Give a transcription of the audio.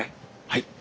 はい。